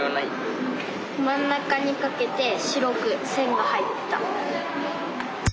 真ん中にかけて白く線が入ってた。